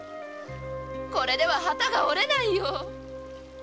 これでは機が織れないよぉ。